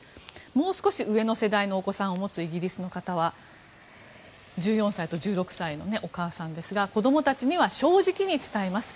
もう少し上の世代のお子さんを持つイギリスの方は１４歳と１６歳のお母さんですが子供たちには正直に伝えます。